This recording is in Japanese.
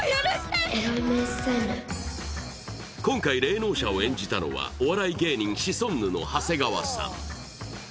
今回霊能者を演じたのは、お笑い芸人シソンヌの長谷川さん。